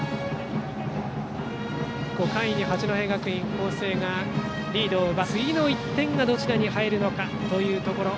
５回に八戸学院光星がリードを奪って次の１点がどちらに入るのかというところ。